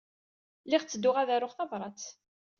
Lliɣ ttedduɣ ad aruɣ tabṛat.